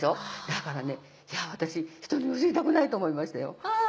だから私人に教えたくないと思いましたよ。